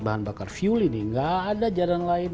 bahan bakar fuel ini nggak ada jalan lain